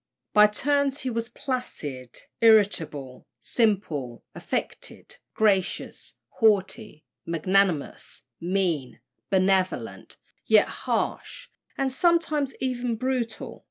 By turns he was placid, irritable; simple, affected; gracious, haughty; magnanimous, mean; benevolent, yet harsh, and sometimes even brutal.